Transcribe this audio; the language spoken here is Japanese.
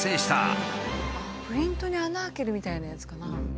プリントに穴開けるみたいなやつかな？